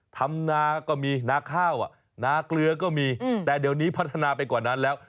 ทำนาก็มีนาข้าวนาเกลือก็มีแต่เดี๋ยวนี้พัฒนาไปกว่านั้นแล้ว